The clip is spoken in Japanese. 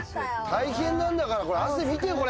大変なんだから、これ、汗見てよ、これ。